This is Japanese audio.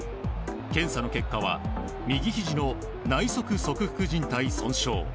検査の結果は、右ひじの内側側副じん帯損傷。